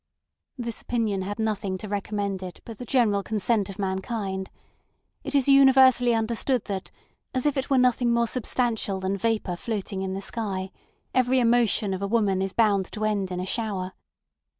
This opinion had nothing to recommend it but the general consent of mankind. It is universally understood that, as if it were nothing more substantial than vapour floating in the sky, every emotion of a woman is bound to end in a shower.